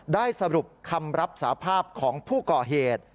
ได้สรุปคำรับสาภาพของผู้ก่อเหตุ